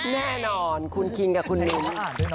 แน่นอนคุณคิงกับคุณมิ้น